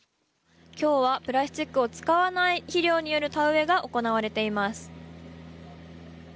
きょうはプラスチックを使わない肥料による田植えが行われています。